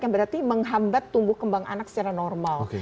yang berarti menghambat tumbuh kembang anak secara normal